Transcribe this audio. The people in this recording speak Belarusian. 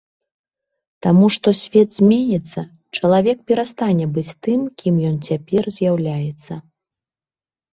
Таму што свет зменіцца, чалавек перастане быць тым кім ён цяпер з'яўляецца.